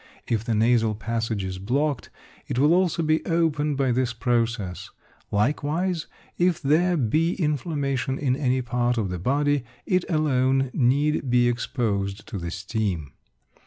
If the nasal passage is blocked, it will also be opened by this process. Likewise, if there be inflamation in any part of the body, it alone need be exposed to the steam.